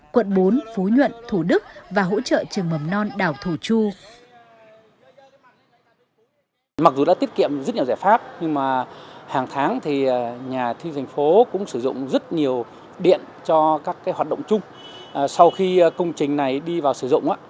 quận bốn phú nhuận thủ đức và hỗ trợ trường mầm non đảo thủ chu